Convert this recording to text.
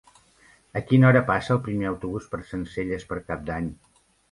A quina hora passa el primer autobús per Sencelles per Cap d'Any?